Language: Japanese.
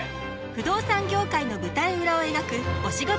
不動産業界の裏側を描くお仕事